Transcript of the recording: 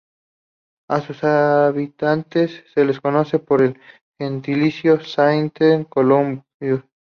A sus habitantes se les conoce por el gentilicio "Sainte-Colombois".